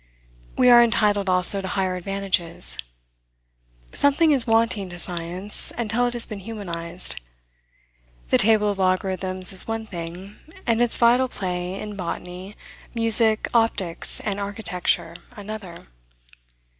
We are entitled, also, to higher advantages. Something is wanting to science, until it has been humanized. The table of logarithms is one thing, and its vital play, in botany, music, optics, and architecture, another.